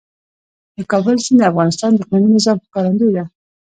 د کابل سیند د افغانستان د اقلیمي نظام ښکارندوی ده.